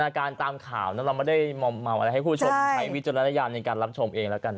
หน้าการตามข่าวเราไม่ได้มองอะไรให้ผู้ชมใช้วิจารณญาณในการรับชมเองแล้วกัน